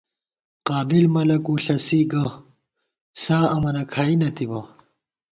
قابِل ملَک وُݪَسی ، گہ سا امَنہ کھائی نہ تِبہ